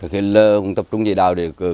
khi lơ không tập trung gì đâu